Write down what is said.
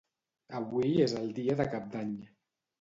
Avui és el dia de cap d'any.